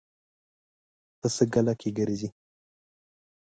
پسه ګله کې ګرځي.